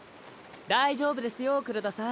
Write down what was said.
大丈夫ですよ黒田さん。